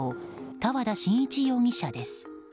多和田真一容疑者です。